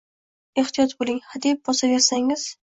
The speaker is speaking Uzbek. ehtiyot bo‘ling, hadeb bosaversangiz